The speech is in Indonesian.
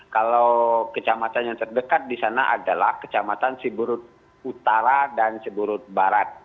kalau kecamatan yang terdekat di sana adalah kecamatan siburut utara dan siburut barat